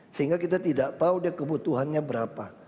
sehingga kita tidak tahu dia kebutuhannya berapa